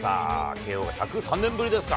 慶応が１０３年ぶりですか。